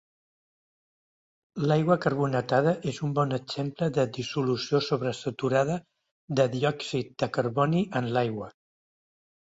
L'aigua carbonatada és un bon exemple de dissolució sobresaturada de diòxid de carboni en l'aigua.